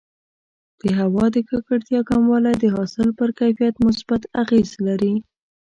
د هوا د ککړتیا کموالی د حاصل پر کیفیت مثبت اغېز لري.